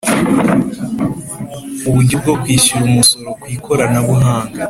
Uburyo bwo kwishyura umusoro kwikoranabuhanga